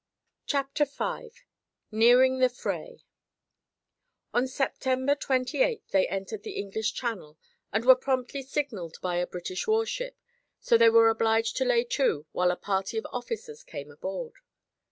CHAPTER V NEARING THE FRAY On September twenty eighth they entered the English Channel and were promptly signalled by a British warship, so they were obliged to lay to while a party of officers came aboard.